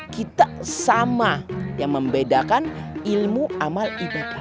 kita sama yang membedakan ilmu amal ibadah